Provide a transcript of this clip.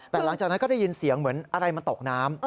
แต่หลังจากนั้นก็ได้ยินเสียงเหมือนอะไรมันตกน้ำ